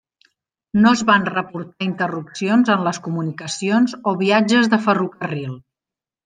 No es van reportar interrupcions en les comunicacions o viatges de ferrocarril.